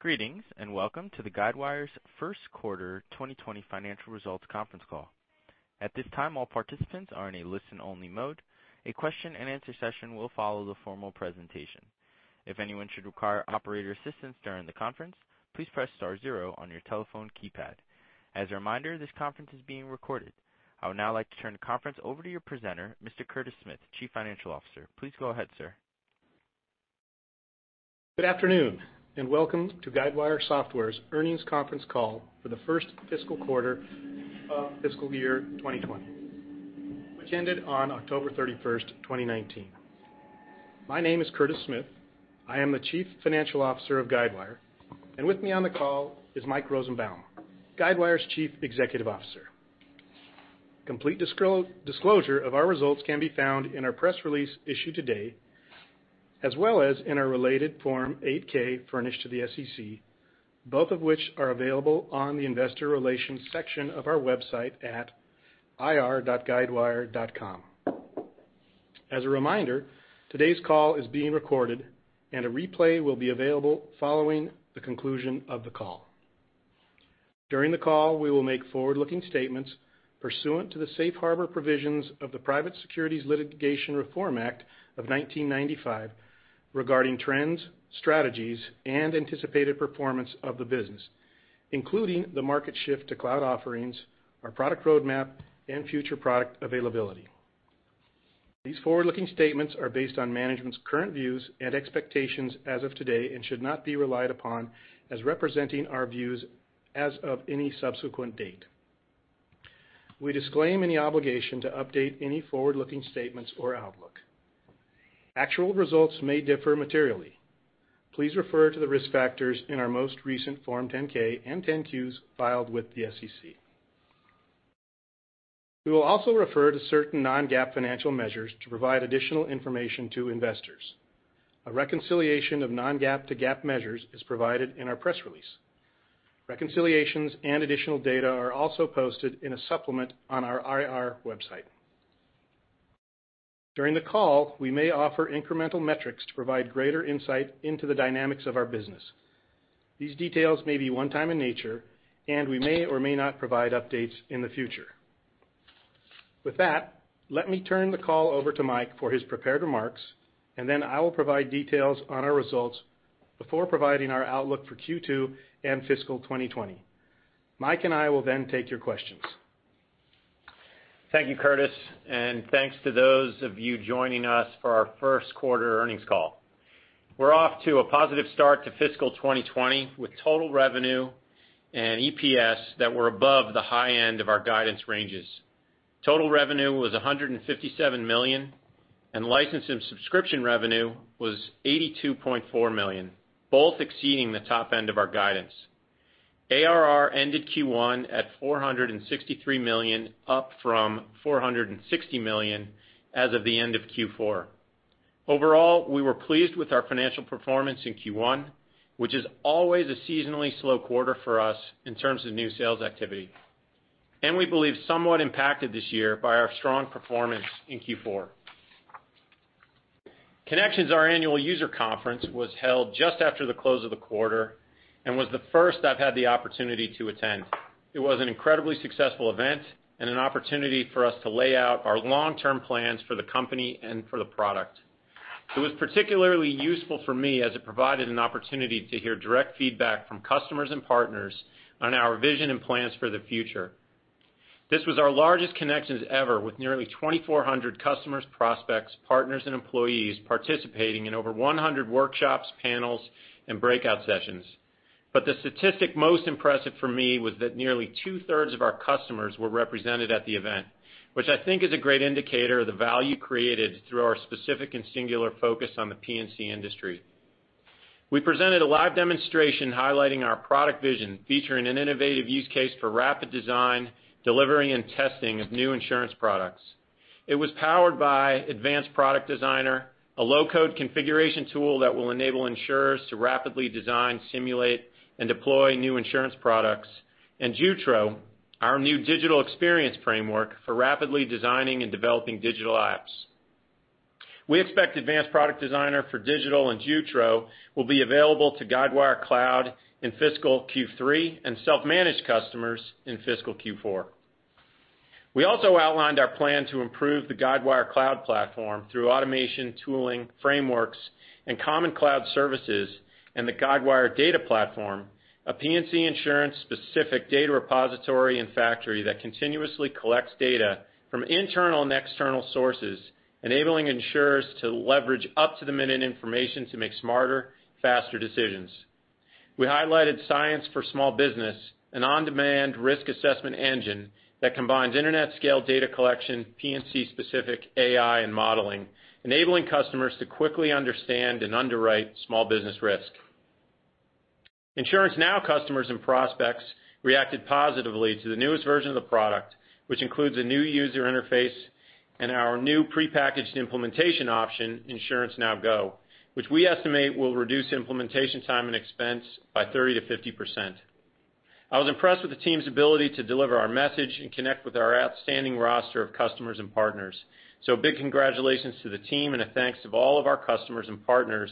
Greetings, welcome to the Guidewire's first quarter 2020 financial results conference call. At this time, all participants are in a listen-only mode. A question-and-answer session will follow the formal presentation. If anyone should require operator assistance during the conference, please press star zero on your telephone keypad. As a reminder, this conference is being recorded. I would now like to turn the conference over to your presenter, Mr. Curtis Smith, Chief Financial Officer. Please go ahead, sir. Good afternoon, and welcome to Guidewire Software's earnings conference call for the first fiscal quarter of fiscal year 2020, which ended on October 31st, 2019. My name is Curtis Smith. I am the Chief Financial Officer of Guidewire, and with me on the call is Mike Rosenbaum, Guidewire's Chief Executive Officer. Complete disclosure of our results can be found in our press release issued today, as well as in our related Form 8-K furnished to the SEC, both of which are available on the investor relations section of our website at ir.guidewire.com. As a reminder, today's call is being recorded, and a replay will be available following the conclusion of the call. During the call, we will make forward-looking statements pursuant to the safe harbor provisions of the Private Securities Litigation Reform Act of 1995 regarding trends, strategies, and anticipated performance of the business, including the market shift to cloud offerings, our product roadmap, and future product availability. These forward-looking statements are based on management's current views and expectations as of today and should not be relied upon as representing our views as of any subsequent date. We disclaim any obligation to update any forward-looking statements or outlook. Actual results may differ materially. Please refer to the risk factors in our most recent Form 10-K and 10-Qs filed with the SEC. We will also refer to certain non-GAAP financial measures to provide additional information to investors. A reconciliation of non-GAAP to GAAP measures is provided in our press release. Reconciliations and additional data are also posted in a supplement on our IR website. During the call, we may offer incremental metrics to provide greater insight into the dynamics of our business. These details may be one time in nature, and we may or may not provide updates in the future. With that, let me turn the call over to Mike for his prepared remarks, and then I will provide details on our results before providing our outlook for Q2 and fiscal 2020. Mike and I will then take your questions. Thank you, Curtis, and thanks to those of you joining us for our first quarter earnings call. We're off to a positive start to fiscal 2020, with total revenue and EPS that were above the high end of our guidance ranges. Total revenue was $157 million, and license and subscription revenue was $82.4 million, both exceeding the top end of our guidance. ARR ended Q1 at $463 million, up from $460 million as of the end of Q4. Overall, we were pleased with our financial performance in Q1, which is always a seasonally slow quarter for us in terms of new sales activity, and we believe somewhat impacted this year by our strong performance in Q4. Connections, our annual user conference, was held just after the close of the quarter and was the first I've had the opportunity to attend. It was an incredibly successful event and an opportunity for us to lay out our long-term plans for the company and for the product. It was particularly useful for me as it provided an opportunity to hear direct feedback from customers and partners on our vision and plans for the future. This was our largest Connections ever, with nearly 2,400 customers, prospects, partners, and employees participating in over 100 workshops, panels, and breakout sessions. The statistic most impressive for me was that nearly two-thirds of our customers were represented at the event, which I think is a great indicator of the value created through our specific and singular focus on the P&C industry. We presented a live demonstration highlighting our product vision, featuring an innovative use case for rapid design, delivery, and testing of new insurance products. It was powered by Advanced Product Designer, a low-code configuration tool that will enable insurers to rapidly design, simulate, and deploy new insurance products, and Jutro, our new digital experience framework for rapidly designing and developing digital apps. We expect Advanced Product Designer for digital and Jutro will be available to Guidewire Cloud in fiscal Q3 and self-managed customers in fiscal Q4. We also outlined our plan to improve the Guidewire Cloud platform through automation, tooling, frameworks, and common cloud services, and the Guidewire Data Platform, a P&C insurance-specific data repository and factory that continuously collects data from internal and external sources, enabling insurers to leverage up-to-the-minute information to make smarter, faster decisions. We highlighted Science for Small Business, an on-demand risk assessment engine that combines internet-scale data collection, P&C-specific AI, and modeling, enabling customers to quickly understand and underwrite small business risk. InsuranceNow customers and prospects reacted positively to the newest version of the product, which includes a new user interface and our new prepackaged implementation option, InsuranceNow GO, which we estimate will reduce implementation time and expense by 30%-50%. I was impressed with the team's ability to deliver our message and connect with our outstanding roster of customers and partners. A big congratulations to the team and a thanks to all of our customers and partners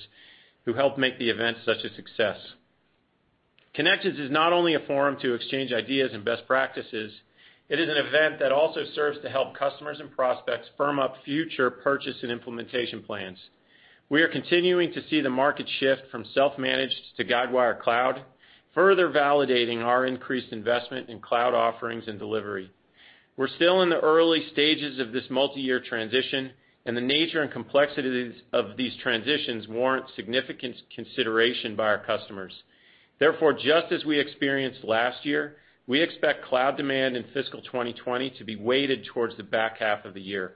who helped make the event such a success. Connections is not only a forum to exchange ideas and best practices, it is an event that also serves to help customers and prospects firm up future purchase and implementation plans. We are continuing to see the market shift from self-managed to Guidewire Cloud, further validating our increased investment in cloud offerings and delivery. We're still in the early stages of this multi-year transition. The nature and complexities of these transitions warrant significant consideration by our customers. Therefore, just as we experienced last year, we expect cloud demand in fiscal 2020 to be weighted towards the back half of the year.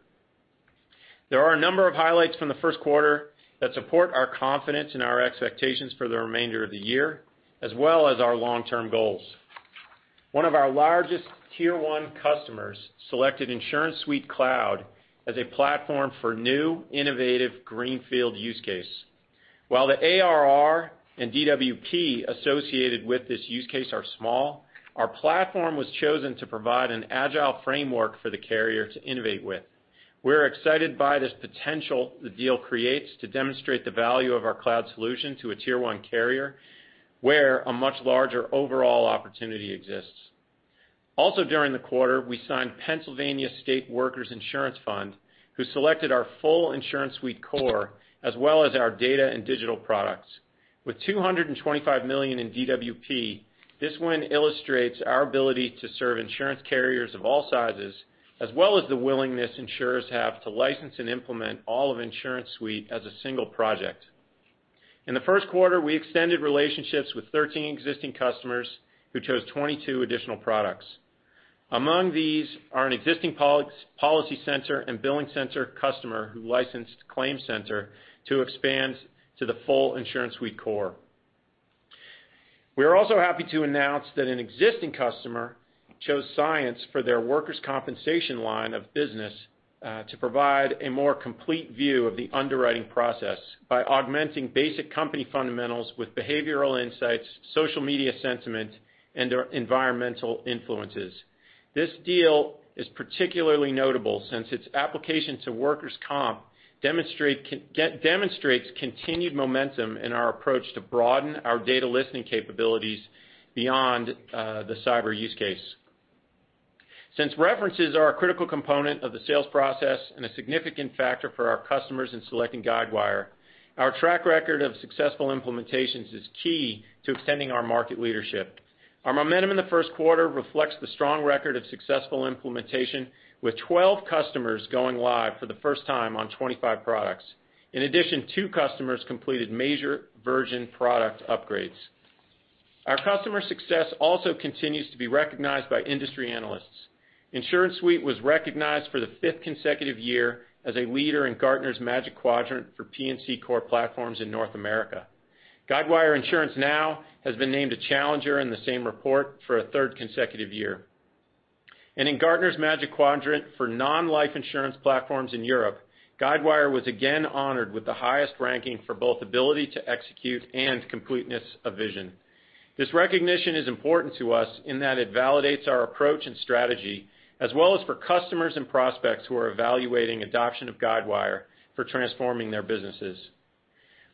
There are a number of highlights from the first quarter that support our confidence in our expectations for the remainder of the year, as well as our long-term goals. One of our largest tier 1 customers selected InsuranceSuite Cloud as a platform for new, innovative greenfield use case. While the ARR and DWP associated with this use case are small, our platform was chosen to provide an agile framework for the carrier to innovate with. We're excited by this potential the deal creates to demonstrate the value of our cloud solution to a tier 1 carrier, where a much larger overall opportunity exists. Also during the quarter, we signed Pennsylvania State Workers' Insurance Fund, who selected our full InsuranceSuite core, as well as our data and digital products. With $225 million in DWP, this one illustrates our ability to serve insurance carriers of all sizes, as well as the willingness insurers have to license and implement all of InsuranceSuite as a single project. In the first quarter, we extended relationships with 13 existing customers who chose 22 additional products. Among these are an existing PolicyCenter and BillingCenter customer who licensed ClaimCenter to expand to the full InsuranceSuite core. We are also happy to announce that an existing customer chose Cyence for their workers' compensation line of business to provide a more complete view of the underwriting process by augmenting basic company fundamentals with behavioral insights, social media sentiment, and their environmental influences. This deal is particularly notable since its application to workers' comp demonstrates continued momentum in our approach to broaden our data listening capabilities beyond the cyber use case. References are a critical component of the sales process and a significant factor for our customers in selecting Guidewire, our track record of successful implementations is key to extending our market leadership. Our momentum in the first quarter reflects the strong record of successful implementation, with 12 customers going live for the first time on 25 products. Two customers completed major version product upgrades. Our customer success also continues to be recognized by industry analysts. InsuranceSuite was recognized for the fifth consecutive year as a leader in Gartner's Magic Quadrant for P&C Core Platforms in North America. Guidewire InsuranceNow has been named a challenger in the same report for a third consecutive year. In Gartner's Magic Quadrant for non-life insurance platforms in Europe, Guidewire was again honored with the highest ranking for both ability to execute and completeness of vision. This recognition is important to us in that it validates our approach and strategy, as well as for customers and prospects who are evaluating adoption of Guidewire for transforming their businesses.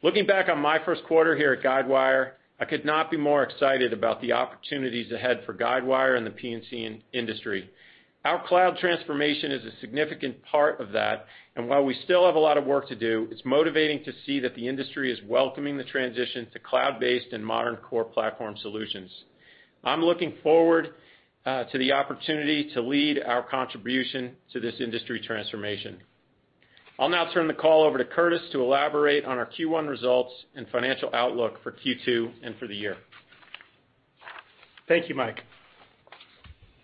Looking back on my first quarter here at Guidewire, I could not be more excited about the opportunities ahead for Guidewire and the P&C industry. Our cloud transformation is a significant part of that, and while we still have a lot of work to do, it's motivating to see that the industry is welcoming the transition to cloud-based and modern core platform solutions. I'm looking forward to the opportunity to lead our contribution to this industry transformation. I'll now turn the call over to Curtis to elaborate on our Q1 results and financial outlook for Q2 and for the year. Thank you, Mike.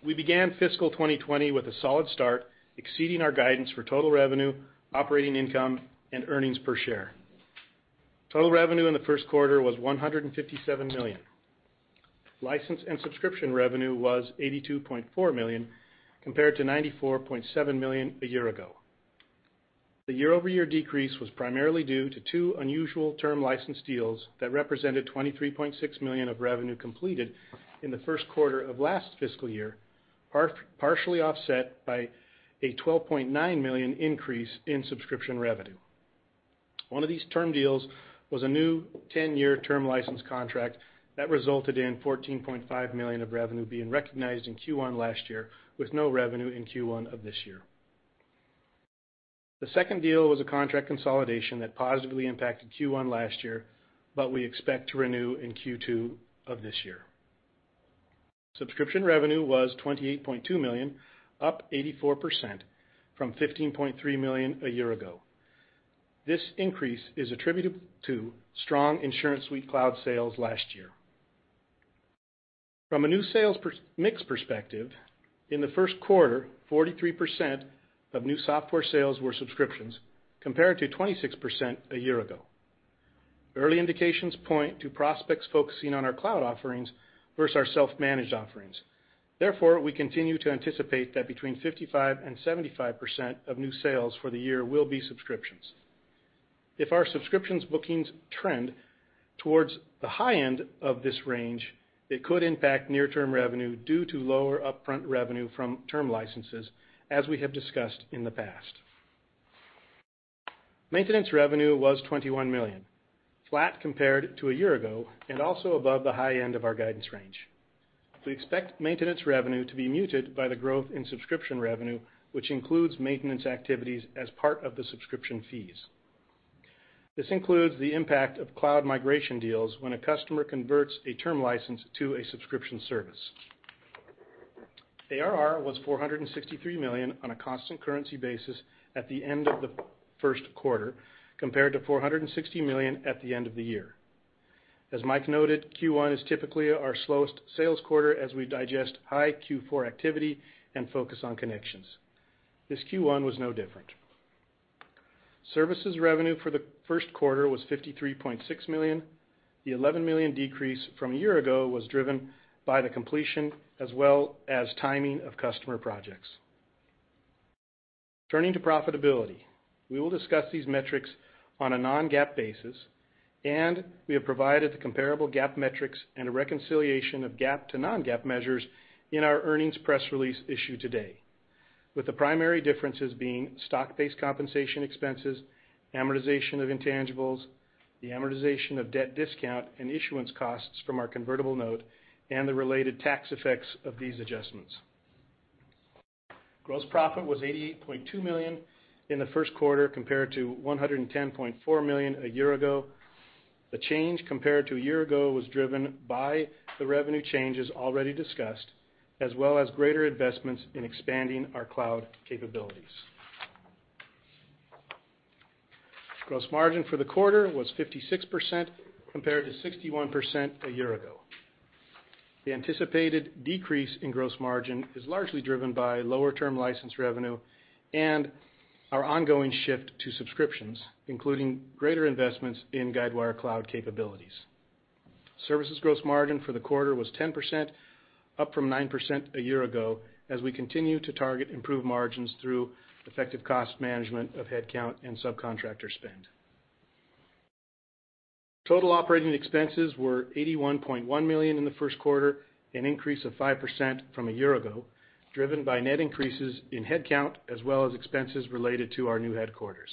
We began fiscal 2020 with a solid start, exceeding our guidance for total revenue, operating income and earnings per share. Total revenue in the first quarter was $157 million. License and subscription revenue was $82.4 million, compared to $94.7 million a year ago. The year-over-year decrease was primarily due to two unusual term license deals that represented $23.6 million of revenue completed in the first quarter of last fiscal year, partially offset by a $12.9 million increase in subscription revenue. One of these term deals was a new 10-year term license contract that resulted in $14.5 million of revenue being recognized in Q1 last year, with no revenue in Q1 of this year. The second deal was a contract consolidation that positively impacted Q1 last year, but we expect to renew in Q2 of this year. Subscription revenue was $28.2 million, up 84% from $15.3 million a year ago. This increase is attributable to strong InsuranceSuite Cloud sales last year. From a new sales mix perspective, in the first quarter, 43% of new software sales were subscriptions, compared to 26% a year ago. Early indications point to prospects focusing on our cloud offerings versus our self-managed offerings. We continue to anticipate that between 55%-75% of new sales for the year will be subscriptions. If our subscriptions bookings trend towards the high end of this range, it could impact near-term revenue due to lower upfront revenue from term licenses, as we have discussed in the past. Maintenance revenue was $21 million, flat compared to a year ago, and also above the high end of our guidance range. We expect maintenance revenue to be muted by the growth in subscription revenue, which includes maintenance activities as part of the subscription fees. This includes the impact of cloud migration deals when a customer converts a term license to a subscription service. ARR was $463 million on a constant currency basis at the end of the first quarter, compared to $460 million at the end of the year. As Mike noted, Q1 is typically our slowest sales quarter as we digest high Q4 activity and focus on Connections. This Q1 was no different. Services revenue for the first quarter was $53.6 million. The $11 million decrease from a year ago was driven by the completion as well as timing of customer projects. Turning to profitability. We will discuss these metrics on a non-GAAP basis, and we have provided the comparable GAAP metrics and a reconciliation of GAAP to non-GAAP measures in our earnings press release issued today, with the primary differences being stock-based compensation expenses, amortization of intangibles, the amortization of debt discount, and issuance costs from our convertible note, and the related tax effects of these adjustments. Gross profit was $88.2 million in the first quarter, compared to $110.4 million a year ago. The change compared to a year ago was driven by the revenue changes already discussed, as well as greater investments in expanding our Cloud capabilities. Gross margin for the quarter was 56%, compared to 61% a year ago. The anticipated decrease in gross margin is largely driven by lower term license revenue and our ongoing shift to subscriptions, including greater investments in Guidewire Cloud capabilities. Services gross margin for the quarter was 10%, up from 9% a year ago, as we continue to target improved margins through effective cost management of headcount and subcontractor spend. Total operating expenses were $81.1 million in the first quarter, an increase of 5% from a year ago, driven by net increases in headcount as well as expenses related to our new headquarters.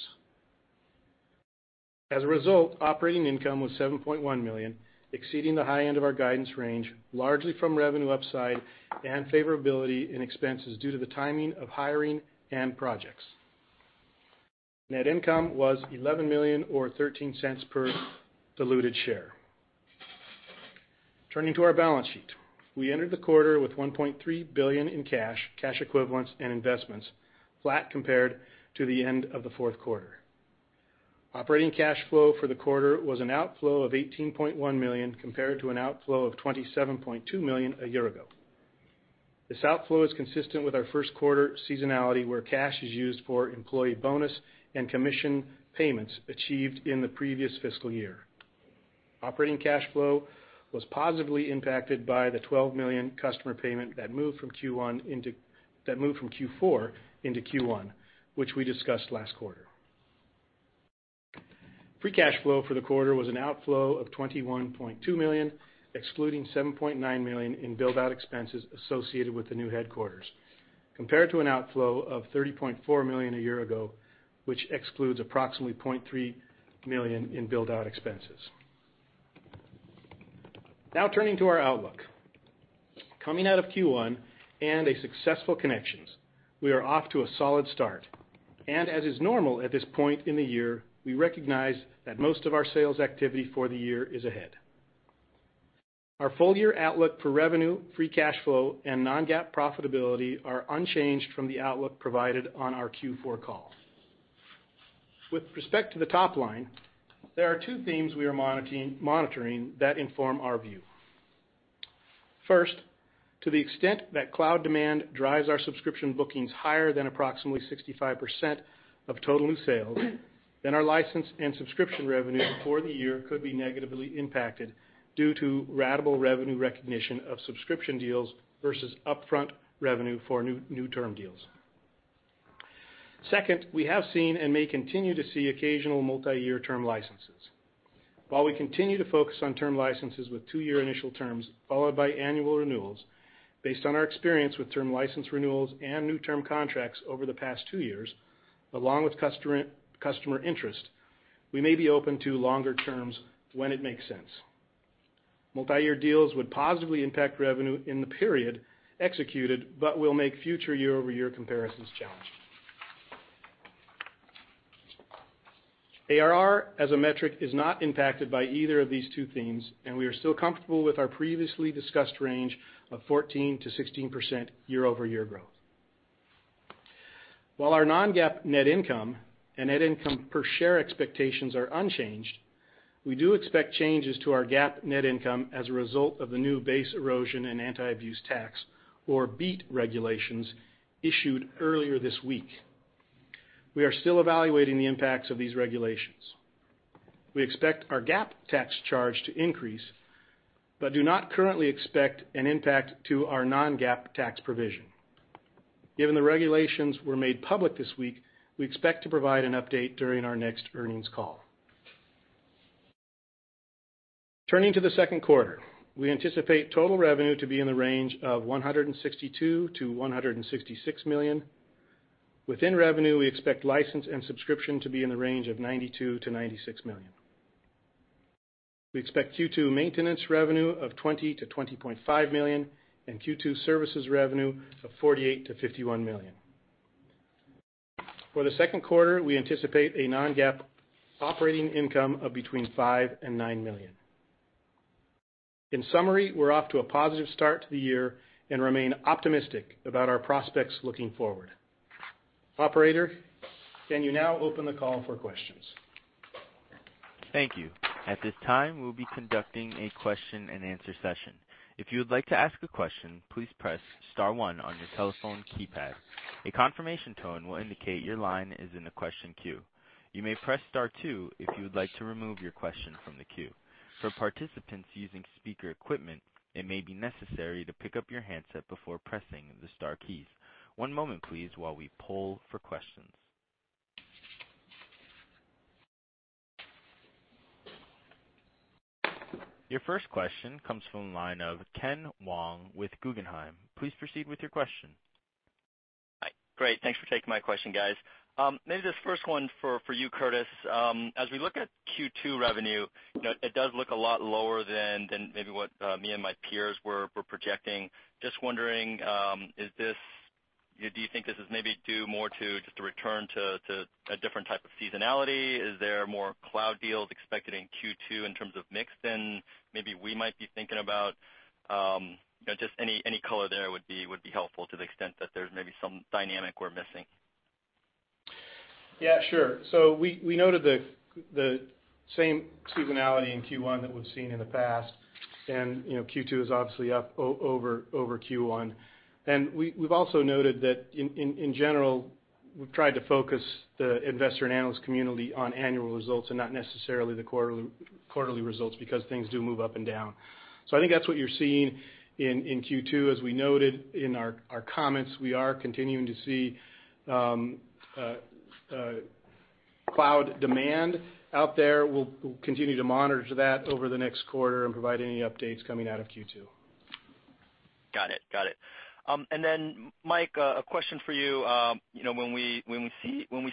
As a result, operating income was $7.1 million, exceeding the high end of our guidance range, largely from revenue upside and favorability in expenses due to the timing of hiring and projects. Net income was $11 million or $0.13 per diluted share. Turning to our balance sheet. We entered the quarter with $1.3 billion in cash equivalents, and investments, flat compared to the end of the fourth quarter. Operating cash flow for the quarter was an outflow of $18.1 million compared to an outflow of $27.2 million a year ago. This outflow is consistent with our first quarter seasonality, where cash is used for employee bonus and commission payments achieved in the previous fiscal year. Operating cash flow was positively impacted by the $12 million customer payment that moved from Q4 into Q1, which we discussed last quarter. Free cash flow for the quarter was an outflow of $21.2 million, excluding $7.9 million in build-out expenses associated with the new headquarters, compared to an outflow of $30.4 million a year ago, which excludes approximately $0.3 million in build-out expenses. Now turning to our outlook. Coming out of Q1 and a successful Connections, we are off to a solid start. As is normal at this point in the year, we recognize that most of our sales activity for the year is ahead. Our full-year outlook for revenue, free cash flow, and non-GAAP profitability are unchanged from the outlook provided on our Q4 call. With respect to the top line, there are two themes we are monitoring that inform our view. First, to the extent that cloud demand drives our subscription bookings higher than approximately 65% of total new sales, then our license and subscription revenue for the year could be negatively impacted due to ratable revenue recognition of subscription deals versus upfront revenue for new term deals. Second, we have seen and may continue to see occasional multi-year term licenses. While we continue to focus on term licenses with two-year initial terms followed by annual renewals, based on our experience with term license renewals and new term contracts over the past two years, along with customer interest, we may be open to longer terms when it makes sense. Multi-year deals would positively impact revenue in the period executed, but will make future year-over-year comparisons challenging. ARR as a metric is not impacted by either of these two themes, and we are still comfortable with our previously discussed range of 14%-16% year-over-year growth. While our non-GAAP net income and net income per share expectations are unchanged, we do expect changes to our GAAP net income as a result of the new base erosion and anti-abuse tax, or BEAT, regulations issued earlier this week. We are still evaluating the impacts of these regulations. We expect our GAAP tax charge to increase, but do not currently expect an impact to our non-GAAP tax provision. Given the regulations were made public this week, we expect to provide an update during our next earnings call. Turning to the second quarter, we anticipate total revenue to be in the range of $162 million-$166 million. Within revenue, we expect license and subscription to be in the range of $92 million-$96 million. We expect Q2 maintenance revenue of $20 million-$20.5 million, and Q2 services revenue of $48 million-$51 million. For the second quarter, we anticipate a non-GAAP operating income of between $5 million and $9 million. In summary, we're off to a positive start to the year and remain optimistic about our prospects looking forward. Operator, can you now open the call for questions? Thank you. At this time, we'll be conducting a question and answer session. If you would like to ask a question, please press *1 on your telephone keypad. A confirmation tone will indicate your line is in the question queue. You may press *2 if you would like to remove your question from the queue. For participants using speaker equipment, it may be necessary to pick up your handset before pressing the star keys. One moment, please, while we poll for questions. Your first question comes from the line of Ken Wong with Guggenheim. Please proceed with your question. Hi. Great. Thanks for taking my question, guys. Maybe this first one for you, Curtis. As we look at Q2 revenue, it does look a lot lower than maybe what me and my peers were projecting. Just wondering, do you think this is maybe due more to just a return to a different type of seasonality? Is there more cloud deals expected in Q2 in terms of mix than maybe we might be thinking about? Just any color there would be helpful to the extent that there's maybe some dynamic we're missing. Yeah. Sure. We noted the same seasonality in Q1 that we've seen in the past, and Q2 is obviously up over Q1. We've also noted that in general, we've tried to focus the investor and analyst community on annual results and not necessarily the quarterly results because things do move up and down. I think that's what you're seeing in Q2. As we noted in our comments, we are continuing to see cloud demand out there. We'll continue to monitor that over the next quarter and provide any updates coming out of Q2. Got it. Mike, a question for you. When we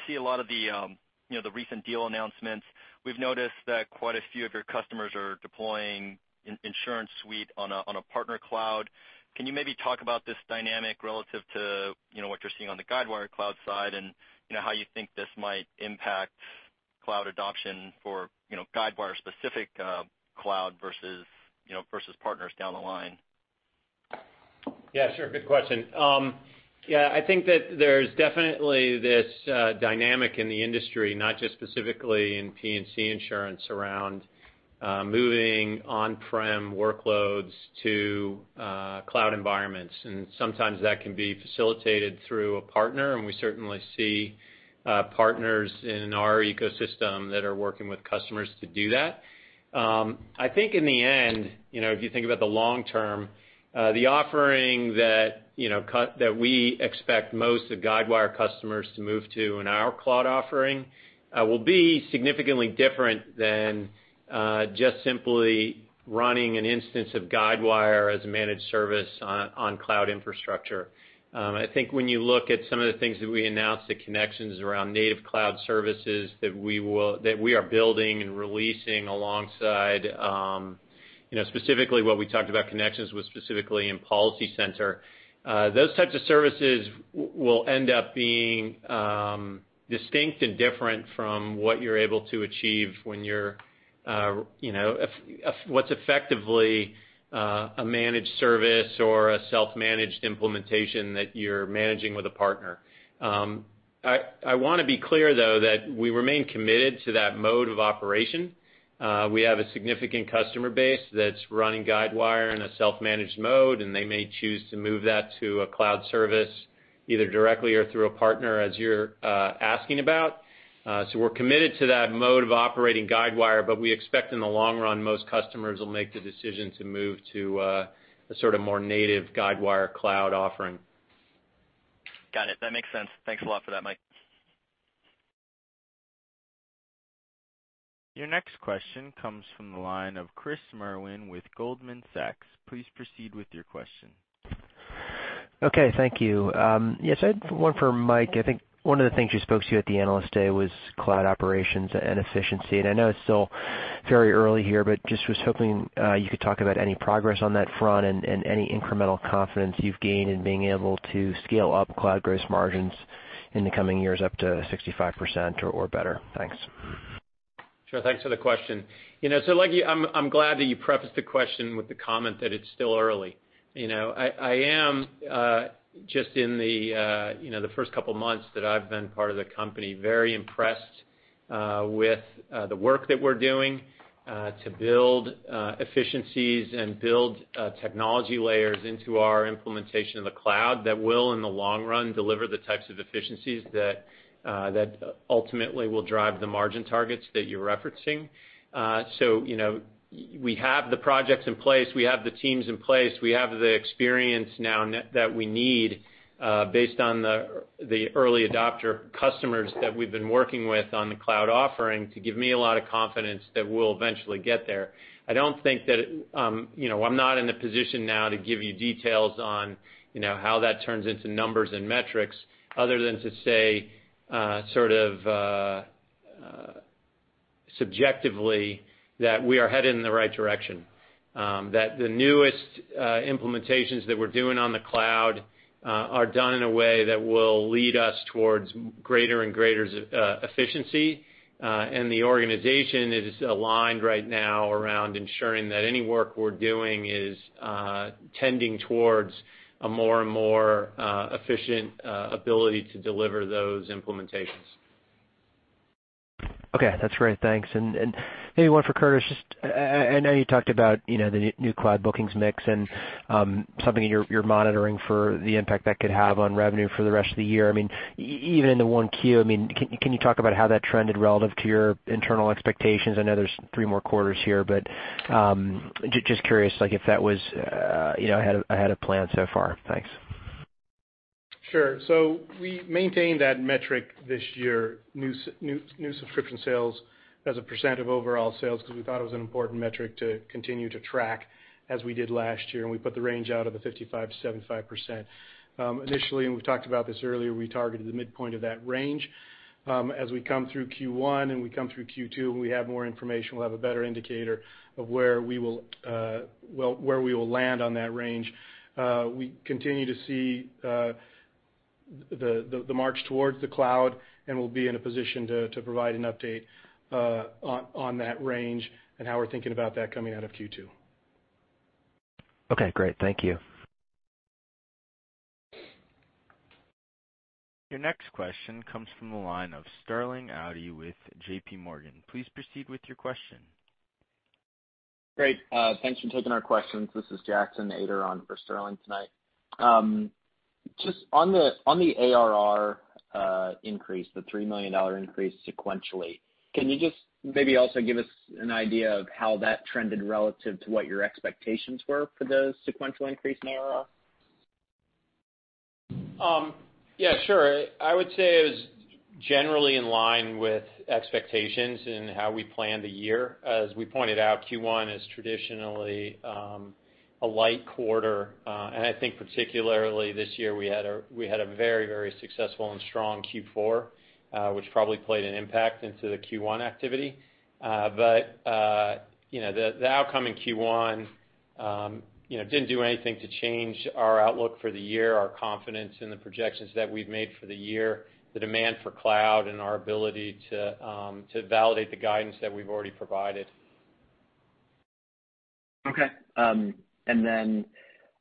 see a lot of the recent deal announcements, we've noticed that quite a few of your customers are deploying an InsuranceSuite on a partner cloud. Can you maybe talk about this dynamic relative to what you're seeing on the Guidewire Cloud side and how you think this might impact cloud adoption for Guidewire-specific Cloud versus partners down the line? Yeah, sure. Good question. I think that there's definitely this dynamic in the industry, not just specifically in P&C insurance, around moving on-prem workloads to cloud environments, and sometimes that can be facilitated through a partner, and we certainly see partners in our ecosystem that are working with customers to do that. I think in the end, if you think about the long term, the offering that we expect most of Guidewire customers to move to in our cloud offering will be significantly different than just simply running an instance of Guidewire as a managed service on cloud infrastructure. I think when you look at some of the things that we announced at Connections around native cloud services that we are building and releasing. Specifically what we talked about Connections was specifically in PolicyCenter. Those types of services will end up being distinct and different from what you're able to achieve when what's effectively a managed service or a self-managed implementation that you're managing with a partner. I want to be clear, though, that we remain committed to that mode of operation. We have a significant customer base that's running Guidewire in a self-managed mode, and they may choose to move that to a cloud service, either directly or through a partner, as you're asking about. We're committed to that mode of operating Guidewire, but we expect in the long run, most customers will make the decision to move to a sort of more native Guidewire Cloud offering. Got it. That makes sense. Thanks a lot for that, Mike. Your next question comes from the line of Chris Merwin with Goldman Sachs. Please proceed with your question. Okay. Thank you. Yes, I had one for Mike. I think one of the things you spoke to at the Analyst Day was cloud operations and efficiency. I know it's still very early here, but just was hoping you could talk about any progress on that front and any incremental confidence you've gained in being able to scale up cloud gross margins in the coming years up to 65% or better. Thanks. Sure. Thanks for the question. I'm glad that you prefaced the question with the comment that it's still early. I am just in the first couple of months that I've been part of the company, very impressed with the work that we're doing to build efficiencies and build technology layers into our implementation of the cloud that will, in the long run, deliver the types of efficiencies that ultimately will drive the margin targets that you're referencing. We have the projects in place, we have the teams in place, we have the experience now that we need based on the early adopter customers that we've been working with on the cloud offering to give me a lot of confidence that we'll eventually get there. I'm not in the position now to give you details on how that turns into numbers and metrics other than to say sort of subjectively that we are headed in the right direction. The newest implementations that we're doing on the cloud are done in a way that will lead us towards greater and greater efficiency. The organization is aligned right now around ensuring that any work we're doing is tending towards a more and more efficient ability to deliver those implementations. Okay. That's great. Thanks. Maybe one for Curtis, just I know you talked about the new cloud bookings mix and something that you're monitoring for the impact that could have on revenue for the rest of the year. Even in the one Q, can you talk about how that trended relative to your internal expectations? I know there's three more quarters here, but just curious, if that was ahead of plan so far. Thanks. Sure. We maintained that metric this year, new subscription sales as a % of overall sales, because we thought it was an important metric to continue to track as we did last year. We put the range out of the 55%-75%. Initially, and we've talked about this earlier, we targeted the midpoint of that range. As we come through Q1 and we come through Q2 and we have more information, we'll have a better indicator of where we will land on that range. We continue to see the march towards the cloud, and we'll be in a position to provide an update on that range and how we're thinking about that coming out of Q2. Okay, great. Thank you. Your next question comes from the line of Sterling Auty with JPMorgan. Please proceed with your question. Great. Thanks for taking our questions. This is Jackson Ader on for Sterling tonight. Just on the ARR increase, the $3 million increase sequentially, can you just maybe also give us an idea of how that trended relative to what your expectations were for the sequential increase in ARR? Yeah, sure. I would say it was generally in line with expectations and how we planned the year. As we pointed out, Q1 is traditionally a light quarter. I think particularly this year, we had a very successful and strong Q4, which probably played an impact into the Q1 activity. The outcome in Q1 didn't do anything to change our outlook for the year, our confidence in the projections that we've made for the year, the demand for cloud, and our ability to validate the guidance that we've already provided. Okay.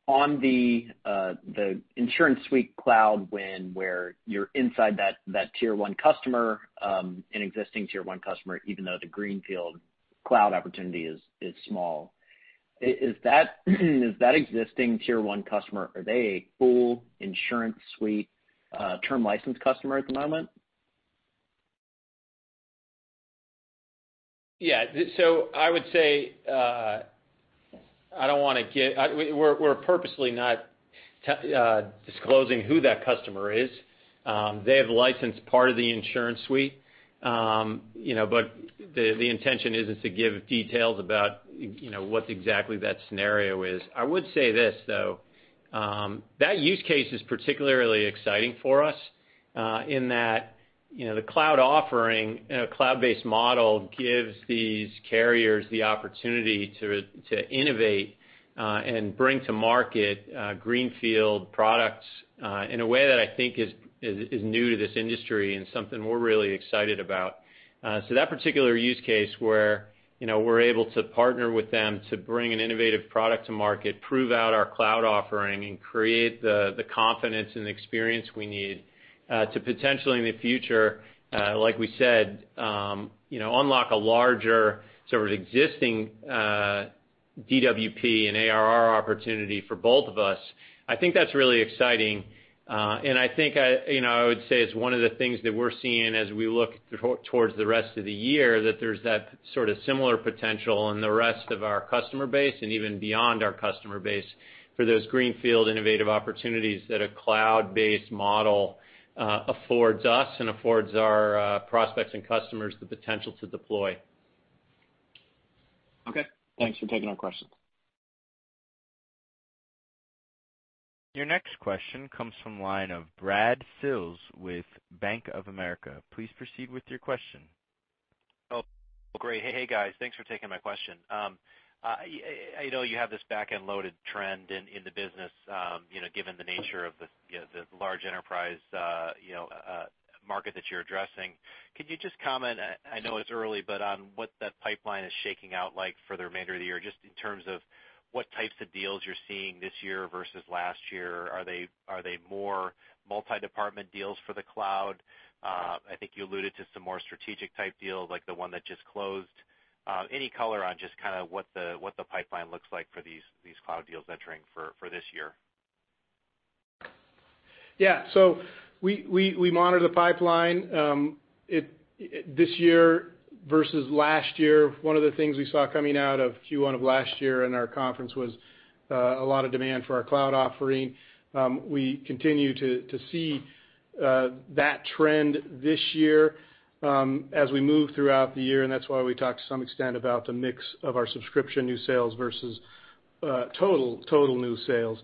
On the InsuranceSuite Cloud, where you're inside that Tier 1 customer, an existing Tier 1 customer, even though the greenfield cloud opportunity is small. Is that existing Tier 1 customer, are they a full InsuranceSuite term license customer at the moment? I would say, we're purposely not disclosing who that customer is. They have licensed part of the InsuranceSuite. The intention isn't to give details about what exactly that scenario is. I would say this, though, that use case is particularly exciting for us in that the cloud offering, cloud-based model gives these carriers the opportunity to innovate and bring to market greenfield products in a way that I think is new to this industry and something we're really excited about. That particular use case where we're able to partner with them to bring an innovative product to market, prove out our cloud offering, and create the confidence and experience we need to potentially in the future, like we said, unlock a larger sort of existing DWP and ARR opportunity for both of us. I think that's really exciting. I think I would say it's one of the things that we're seeing as we look towards the rest of the year, that there's that sort of similar potential in the rest of our customer base and even beyond our customer base for those greenfield innovative opportunities that a cloud-based model affords us and affords our prospects and customers the potential to deploy. Okay. Thanks for taking our questions. Your next question comes from line of Brad Sills with Bank of America. Please proceed with your question. Oh, great. Hey, guys. Thanks for taking my question. I know you have this back-end loaded trend in the business given the nature of the large enterprise market that you're addressing. Could you just comment, I know it's early, but on what that pipeline is shaking out like for the remainder of the year, just in terms of what types of deals you're seeing this year versus last year? Are they more multi-department deals for the cloud? I think you alluded to some more strategic type deals like the one that just closed. Any color on just kind of what the pipeline looks like for these cloud deals entering for this year? Yeah. We monitor the pipeline. This year versus last year, one of the things we saw coming out of Q1 of last year in our conference was a lot of demand for our cloud offering. We continue to see that trend this year as we move throughout the year, and that's why we talk to some extent about the mix of our subscription new sales versus total new sales.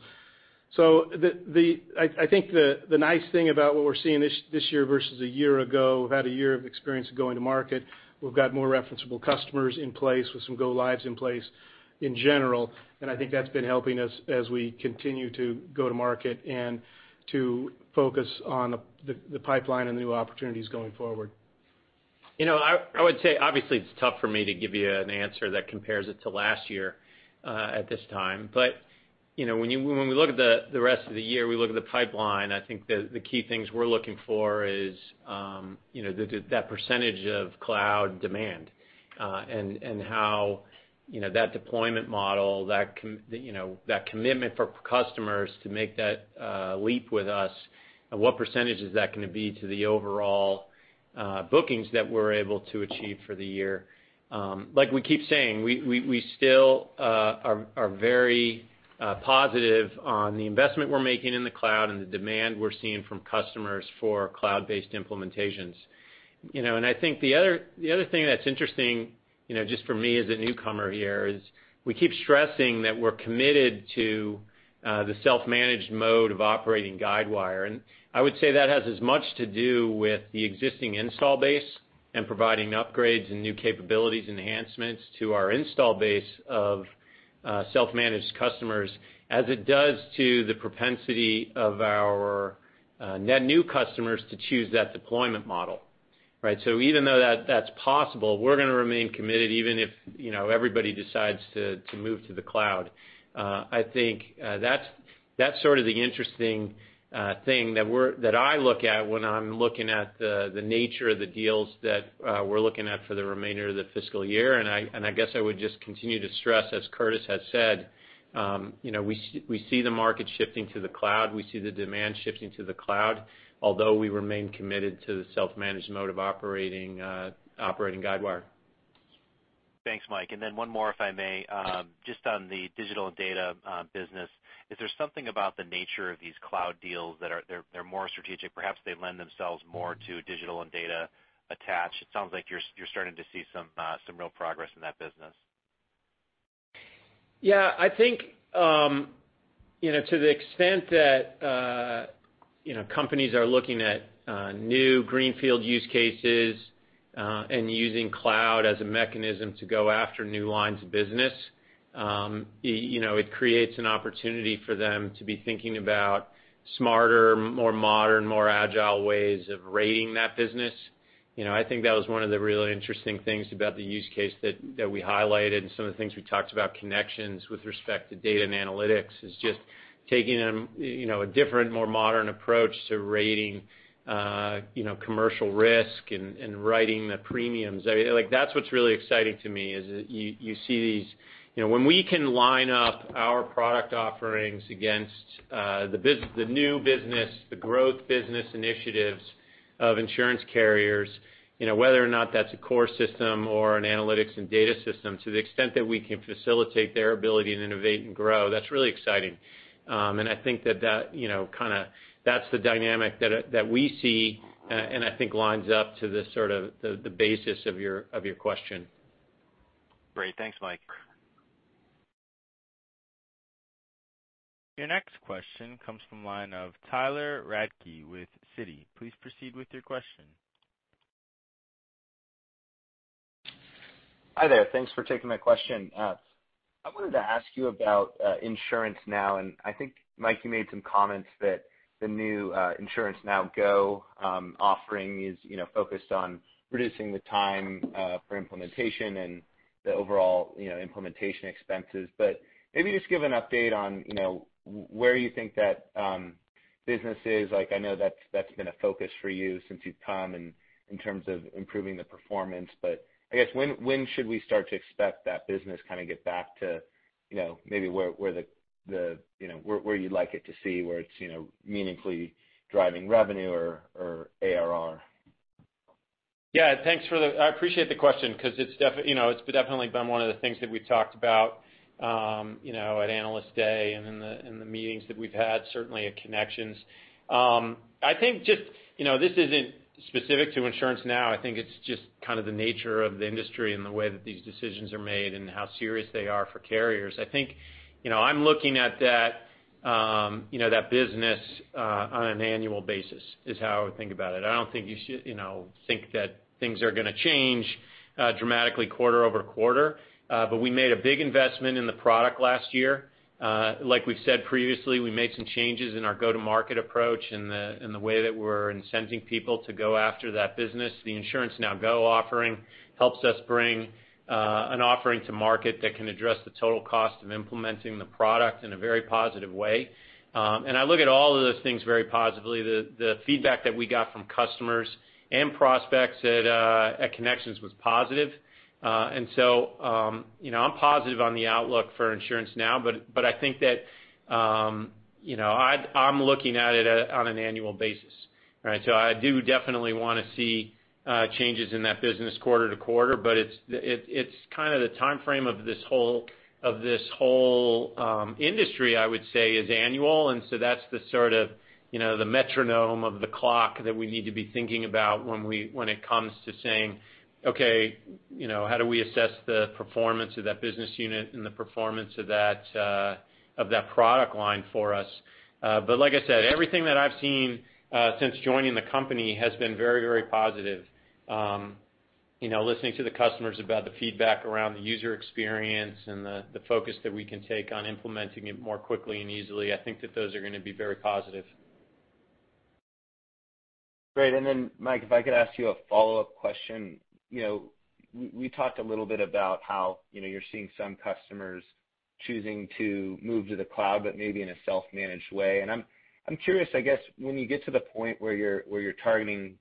I think the nice thing about what we're seeing this year versus a year ago, we've had a year of experience of going to market. We've got more referenceable customers in place with some go-lives in place in general, and I think that's been helping us as we continue to go to market and to focus on the pipeline and new opportunities going forward. I would say, obviously, it's tough for me to give you an answer that compares it to last year at this time. When we look at the rest of the year, we look at the pipeline, I think the key things we're looking for is that % of cloud demand, and how that deployment model, that commitment for customers to make that leap with us, and what % is that going to be to the overall bookings that we're able to achieve for the year. We keep saying, we still are very positive on the investment we're making in the cloud and the demand we're seeing from customers for cloud-based implementations. I think the other thing that's interesting just for me as a newcomer here is we keep stressing that we're committed to the self-managed mode of operating Guidewire. I would say that has as much to do with the existing install base and providing upgrades and new capabilities enhancements to our install base of self-managed customers, as it does to the propensity of our net new customers to choose that deployment model. Right. Even though that's possible, we're going to remain committed even if everybody decides to move to the cloud. I think that's sort of the interesting thing that I look at when I'm looking at the nature of the deals that we're looking at for the remainder of the fiscal year. I guess I would just continue to stress, as Curtis has said, we see the market shifting to the cloud. We see the demand shifting to the cloud, although we remain committed to the self-managed mode of operating Guidewire. Thanks, Mike. One more, if I may. Sure. Just on the digital and data business, is there something about the nature of these cloud deals that they're more strategic, perhaps they lend themselves more to digital and data attached? It sounds like you're starting to see some real progress in that business. Yeah, I think to the extent that companies are looking at new greenfield use cases, and using cloud as a mechanism to go after new lines of business, it creates an opportunity for them to be thinking about smarter, more modern, more agile ways of rating that business. I think that was one of the really interesting things about the use case that we highlighted and some of the things we talked about Connections with respect to data and analytics is just taking a different, more modern approach to rating commercial risk and writing the premiums. That's what's really exciting to me is you see when we can line up our product offerings against the new business, the growth business initiatives of insurance carriers, whether or not that's a core system or an analytics and data system, to the extent that we can facilitate their ability to innovate and grow, that's really exciting. I think that's the dynamic that we see, and I think lines up to the sort of the basis of your question. Great. Thanks, Mike. Your next question comes from line of Tyler Radke with Citi. Please proceed with your question. Hi there. Thanks for taking my question. I wanted to ask you about InsuranceNow, and I think, Mike, you made some comments that the new InsuranceNow GO offering is focused on reducing the time for implementation and the overall implementation expenses. Maybe just give an update on where you think that business is. I know that's been a focus for you since you've come in terms of improving the performance. I guess when should we start to expect that business kind of get back to maybe where you'd like it to see where it's meaningfully driving revenue or ARR? Yeah. I appreciate the question because it's definitely been one of the things that we've talked about at Analyst Day and in the meetings that we've had, certainly at Connections. I think this isn't specific to InsuranceNow. I think it's just kind of the nature of the industry and the way that these decisions are made and how serious they are for carriers. I think I'm looking at that business on an annual basis is how I would think about it. I don't think you should think that things are going to change dramatically quarter-over-quarter. We made a big investment in the product last year. Like we've said previously, we made some changes in our go-to-market approach and the way that we're incenting people to go after that business. The InsuranceNow GO offering helps us bring an offering to market that can address the total cost of implementing the product in a very positive way. I look at all of those things very positively. The feedback that we got from customers and prospects at Connections was positive. I'm positive on the outlook for InsuranceNow, but I think that I'm looking at it on an annual basis. Right. I do definitely want to see changes in that business quarter to quarter, but it's kind of the timeframe of this whole industry, I would say, is annual. That's the sort of metronome of the clock that we need to be thinking about when it comes to saying, "Okay, how do we assess the performance of that business unit and the performance of that product line for us?" Like I said, everything that I've seen since joining the company has been very positive. Listening to the customers about the feedback around the user experience and the focus that we can take on implementing it more quickly and easily, I think that those are going to be very positive. Great. Mike, if I could ask you a follow-up question. We talked a little bit about how you're seeing some customers choosing to move to the cloud, but maybe in a self-managed way. I'm curious, I guess, when you get to the point where you're targeting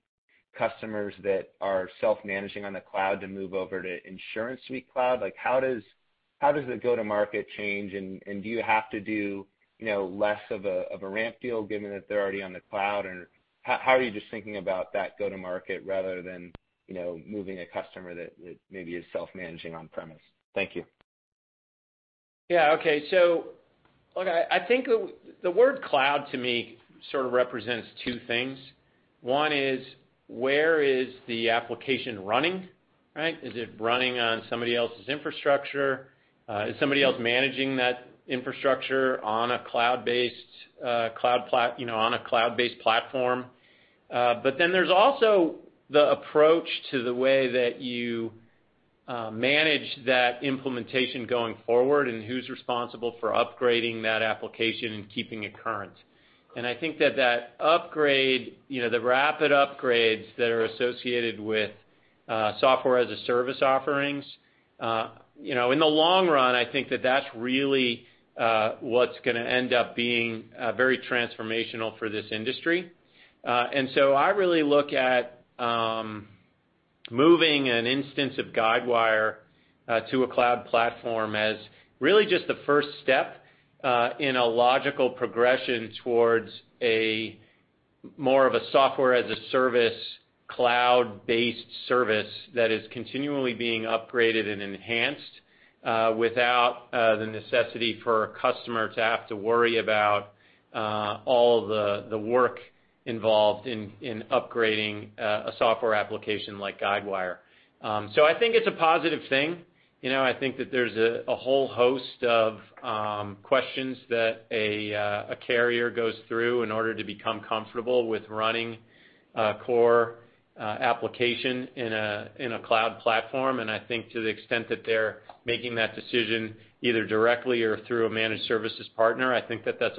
customers that are self-managing on the cloud to move over to InsuranceSuite Cloud, how does the go-to-market change? Do you have to do less of a ramp deal given that they're already on the cloud? How are you just thinking about that go-to-market rather than moving a customer that maybe is self-managing on-premise? Thank you. Yeah. Okay. I think the word cloud to me sort of represents two things. One is: where is the application running? Is it running on somebody else's infrastructure? Is somebody else managing that infrastructure on a cloud-based platform? There's also the approach to the way that you manage that implementation going forward and who's responsible for upgrading that application and keeping it current. I think that the rapid upgrades that are associated with software-as-a-service offerings, in the long run, I think that that's really what's going to end up being very transformational for this industry. I really look at moving an instance of Guidewire to a cloud platform as really just the first step in a logical progression towards more of a software-as-a-service cloud-based service that is continually being upgraded and enhanced without the necessity for a customer to have to worry about all the work involved in upgrading a software application like Guidewire. I think it's a positive thing. I think that there's a whole host of questions that a carrier goes through in order to become comfortable with running a core application in a cloud platform. I think to the extent that they're making that decision either directly or through a managed services partner, I think that that's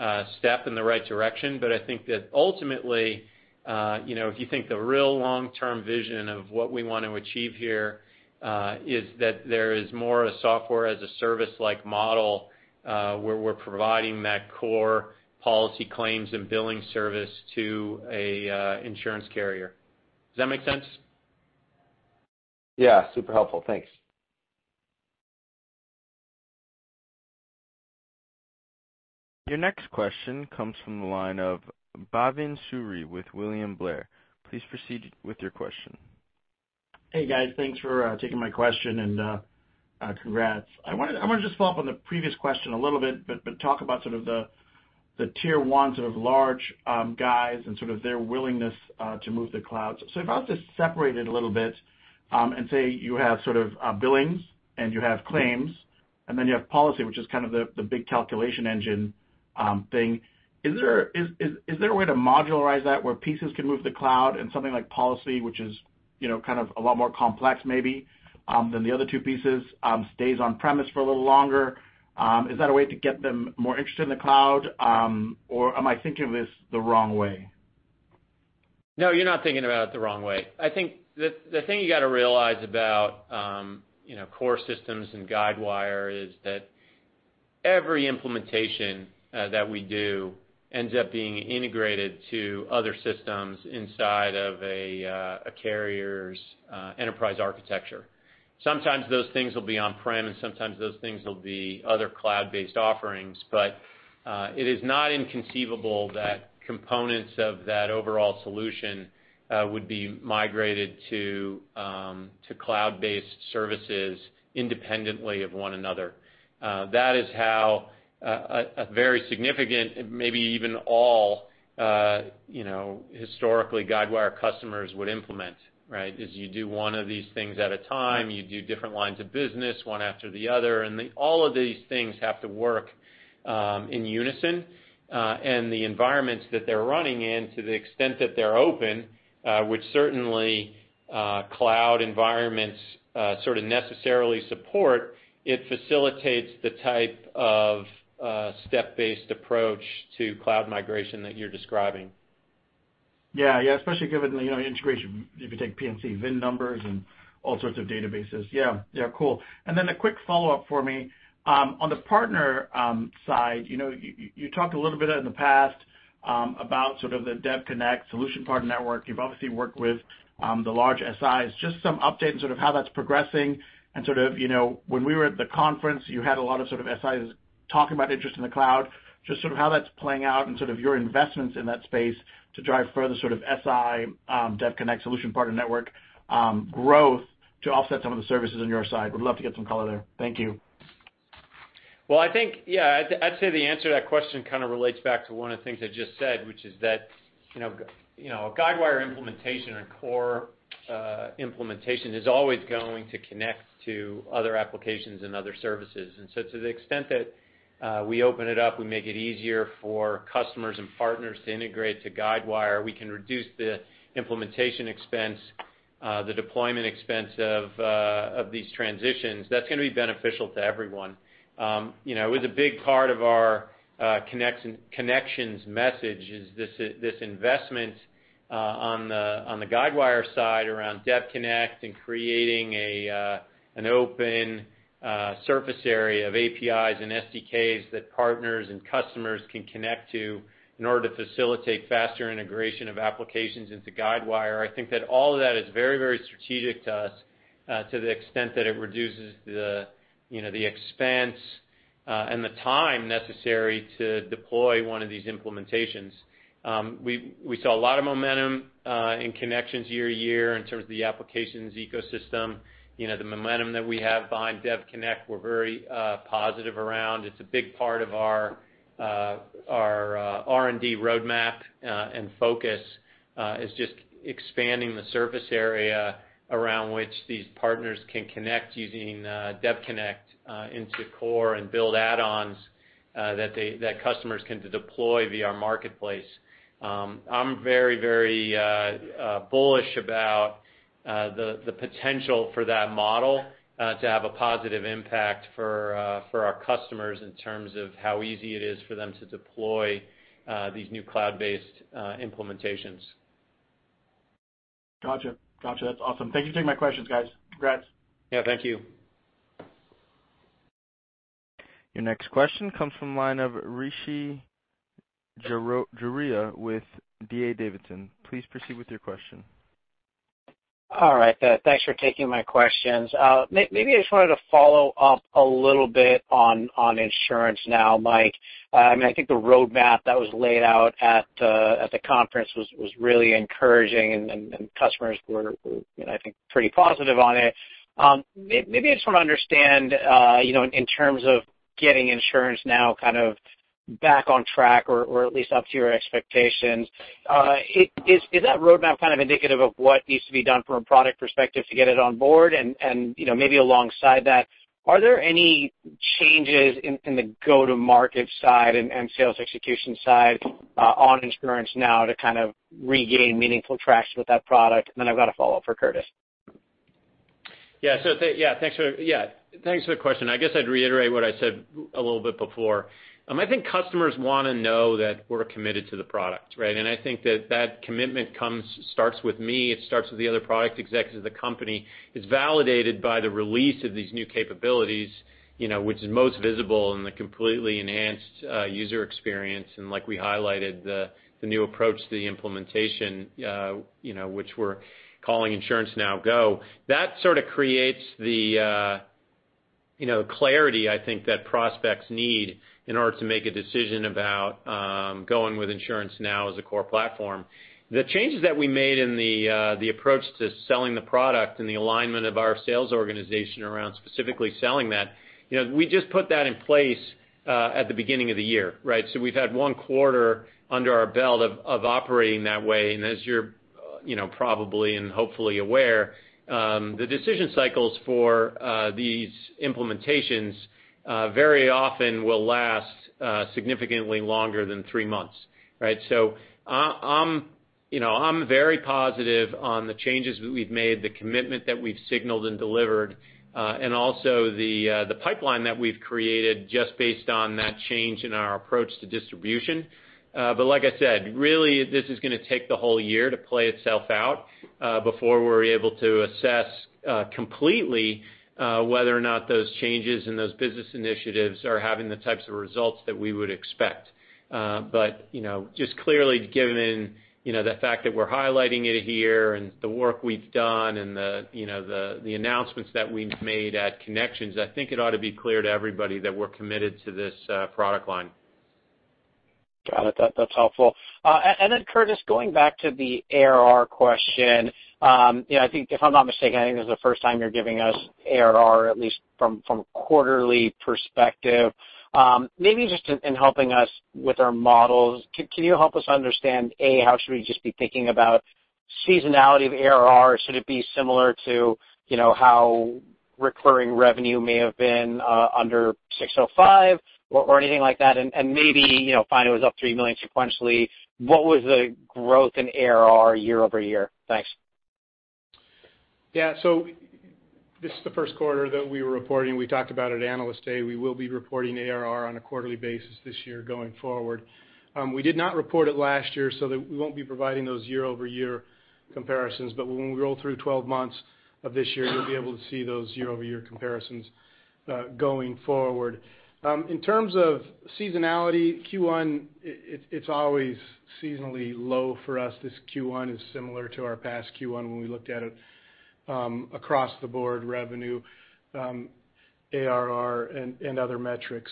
a positive step in the right direction. I think that ultimately, if you think the real long-term vision of what we want to achieve here is that there is more a software-as-a-service like model where we're providing that core policy claims and billing service to an insurance carrier. Does that make sense? Yeah, super helpful. Thanks. Your next question comes from the line of Bhavan Suri with William Blair. Please proceed with your question. Hey, guys. Thanks for taking my question and congrats. I want to just follow up on the previous question a little bit, but talk about sort of the tier 1 sort of large guys and sort of their willingness to move to the Guidewire Cloud. If I was to separate it a little bit, and say you have sort of BillingCenter and you have ClaimCenter, and then you have PolicyCenter, which is kind of the big calculation engine thing, is there a way to modularize that where pieces can move to the Guidewire Cloud and something like PolicyCenter, which is kind of a lot more complex maybe than the other two pieces, stays on-premise for a little longer? Is that a way to get them more interested in the Guidewire Cloud? Am I thinking of this the wrong way? No, you're not thinking about it the wrong way. I think the thing you got to realize about core systems and Guidewire is that every implementation that we do ends up being integrated to other systems inside of a carrier's enterprise architecture. Sometimes those things will be on-prem, and sometimes those things will be other cloud-based offerings. It is not inconceivable that components of that overall solution would be migrated to cloud-based services independently of one another. That is how a very significant, maybe even all historically Guidewire customers would implement. Is you do one of these things at a time, you do different lines of business, one after the other, and all of these things have to work in unison. The environments that they're running in, to the extent that they're open, which certainly cloud environments sort of necessarily support, it facilitates the type of step-based approach to cloud migration that you're describing. Especially given the integration, if you take P&C VIN numbers and all sorts of databases. Cool. A quick follow-up for me. On the partner side, you talked a little bit in the past about sort of the DevConnect solution partner network. You've obviously worked with the large SIs. Just some update on sort of how that's progressing and sort of when we were at the conference, you had a lot of sort of SIs talking about interest in the cloud, just sort of how that's playing out and sort of your investments in that space to drive further sort of SI DevConnect solution partner network growth to offset some of the services on your side. Would love to get some color there. Thank you. Well, I think, I'd say the answer to that question kind of relates back to one of the things I just said, which is that a Guidewire implementation or a core implementation is always going to connect to other applications and other services. To the extent that we open it up, we make it easier for customers and partners to integrate to Guidewire, we can reduce the implementation expense, the deployment expense of these transitions. That's going to be beneficial to everyone. It was a big part of our Connections message, is this investment on the Guidewire side around DevConnect and creating an open surface area of APIs and SDKs that partners and customers can connect to in order to facilitate faster integration of applications into Guidewire. I think that all of that is very, very strategic to us to the extent that it reduces the expense and the time necessary to deploy one of these implementations. We saw a lot of momentum in Connections year-over-year in terms of the applications ecosystem. The momentum that we have behind DevConnect, we're very positive around. It's a big part of our R&D roadmap and focus is just expanding the surface area around which these partners can connect using DevConnect into core and build add-ons that customers can deploy via Marketplace. I'm very bullish about the potential for that model to have a positive impact for our customers in terms of how easy it is for them to deploy these new cloud-based implementations. Got you. That's awesome. Thank you for taking my questions, guys. Congrats. Yeah, thank you. Your next question comes from the line of Rishi Jaluria with D.A. Davidson. Please proceed with your question. All right. Thanks for taking my questions. Maybe I just wanted to follow up a little bit on InsuranceNow, Mike. I think the roadmap that was laid out at the conference was really encouraging, and customers were, I think, pretty positive on it. Maybe I just want to understand, in terms of getting InsuranceNow kind of back on track or at least up to your expectations, is that roadmap kind of indicative of what needs to be done from a product perspective to get it on board? And maybe alongside that, are there any changes in the go-to-market side and sales execution side on InsuranceNow to kind of regain meaningful traction with that product? And then I've got a follow-up for Curtis. Thanks for the question. I guess I'd reiterate what I said a little bit before. I think customers want to know that we're committed to the product, right? I think that that commitment starts with me, it starts with the other product executives of the company. It's validated by the release of these new capabilities which is most visible in the completely enhanced user experience and like we highlighted, the new approach to the implementation which we're calling InsuranceNow GO. That sort of creates the clarity I think that prospects need in order to make a decision about going with InsuranceNow as a core platform. The changes that we made in the approach to selling the product and the alignment of our sales organization around specifically selling that, we just put that in place at the beginning of the year, right? We've had one quarter under our belt of operating that way, and as you're probably and hopefully aware, the decision cycles for these implementations very often will last significantly longer than three months, right? I'm very positive on the changes that we've made, the commitment that we've signaled and delivered, and also the pipeline that we've created just based on that change in our approach to distribution. Like I said, really, this is going to take the whole year to play itself out before we're able to assess completely whether or not those changes and those business initiatives are having the types of results that we would expect. Just clearly given the fact that we're highlighting it here and the work we've done and the announcements that we've made at Connections, I think it ought to be clear to everybody that we're committed to this product line. Got it. That's helpful. Then Curtis, going back to the ARR question. If I'm not mistaken, I think this is the first time you're giving us ARR, at least from a quarterly perspective. Maybe just in helping us with our models, can you help us understand, A, how should we just be thinking about seasonality of ARR? Should it be similar to how recurring revenue may have been under 605 or anything like that? Maybe, fine, it was up $3 million sequentially. What was the growth in ARR year-over-year? Thanks. Yeah. This is the first quarter that we were reporting. We talked about at Analyst Day, we will be reporting ARR on a quarterly basis this year going forward. We did not report it last year, so we won't be providing those year-over-year comparisons, but when we roll through 12 months of this year, you'll be able to see those year-over-year comparisons going forward. In terms of seasonality, Q1, it's always seasonally low for us. This Q1 is similar to our past Q1 when we looked at it across the board revenue, ARR, and other metrics.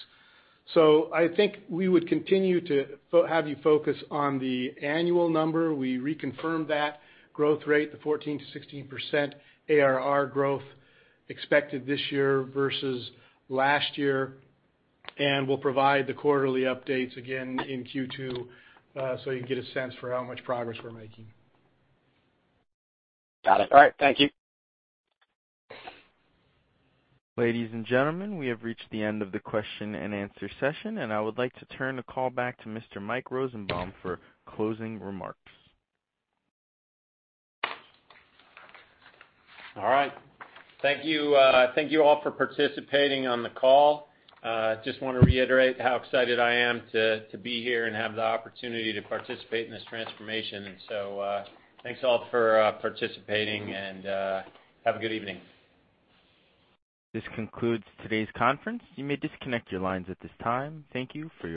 I think we would continue to have you focus on the annual number. We reconfirmed that growth rate, the 14%-16% ARR growth expected this year versus last year. We'll provide the quarterly updates again in Q2, so you get a sense for how much progress we're making. Got it. All right. Thank you. Ladies and gentlemen, we have reached the end of the question and answer session. I would like to turn the call back to Mr. Mike Rosenbaum for closing remarks. All right. Thank you all for participating on the call. Just want to reiterate how excited I am to be here and have the opportunity to participate in this transformation. Thanks all for participating and have a good evening. This concludes today's conference. You may disconnect your lines at this time.